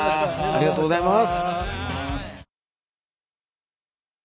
ありがとうございます。